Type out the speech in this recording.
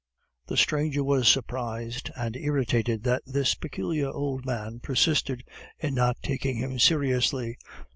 The stranger was surprised and irritated that this peculiar old man persisted in not taking him seriously.